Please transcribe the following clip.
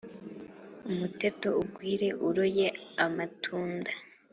umuteto ugwire uroye amatunda